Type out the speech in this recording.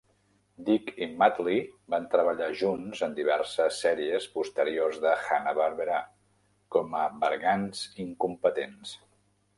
Dick i Muttley van treballar junts en diverses sèries posteriors de Hanna-Barbera com a bergants incompetents.